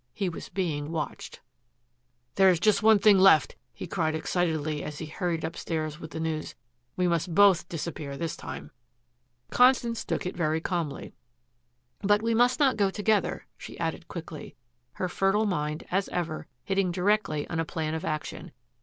He was being watched. "There is just one thing left," he cried excitedly as he hurried upstairs with the news. "We must both disappear this time." Constance took it very calmly. "But we must not go together," she added quickly, her fertile mind, as ever, hitting directly on a plan of action.